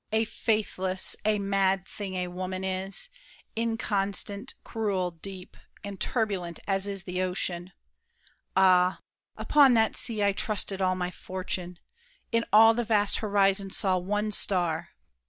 A faithless, a mad thing, A woman is: inconstant, cruel, deep, And turbulent as is the ocean. Ah, Upon that sea I trusted all my fortune! In all the vast horizon saw one star!